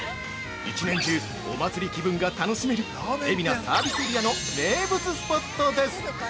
１年中、お祭り気分が楽しめる海老名サービスエリアの名物スポットです。